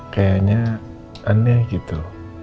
kayaknya aneh gitu